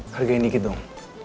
harganya dikit dong